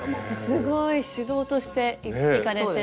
すごい主導として行かれて。